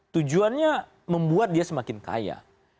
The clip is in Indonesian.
tujuannya membuat dia semakin kaya